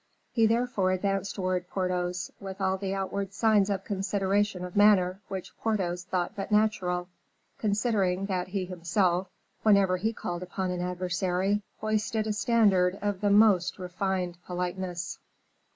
He therefore advanced towards Porthos with all the outward signs of consideration of manner which Porthos thought but natural, considering that he himself, whenever he called upon an adversary, hoisted a standard of the most refined politeness.